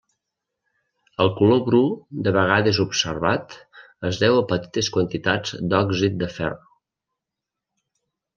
El color bru de vegades observat es deu a petites quantitats d'òxid de ferro.